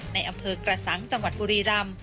ในอำเภอกระสังจังหวัดบุรีรำ